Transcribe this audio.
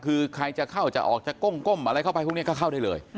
คือใครจะเข้าจะออกจะก้มอะไรเข้าไปพวกนี้ก็เข้าได้เลย